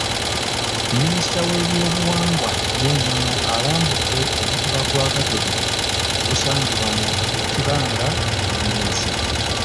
Minisita w'ebyobuwangwa n'ennono alambudde omutuba gwa Katebe ogusangibwa mu e Kibanga mu Bulemeezi .